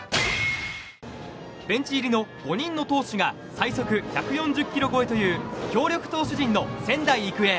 ベンチ入りの５人の投手が最速１４０キロ超えという強力投手陣の仙台育英。